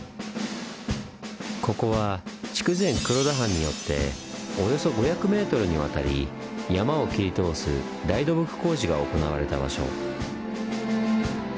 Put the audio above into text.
ここは筑前黒田藩によっておよそ５００ｍにわたり山を切り通す大土木工事が行われた場所。